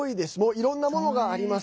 いろんなものがあります。